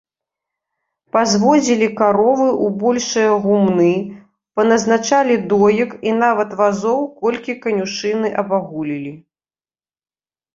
Пазводзілі каровы ў большыя гумны, паназначалі доек і нават вазоў колькі канюшыны абагулілі.